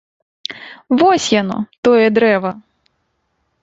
Вось яно, тое дрэва!